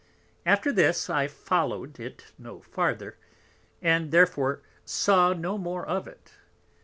After this I followed it no farther, and therefore saw no more of it.